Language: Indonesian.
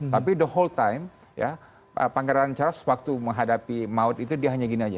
tapi the hall time pangeran charles waktu menghadapi maut itu dia hanya gini aja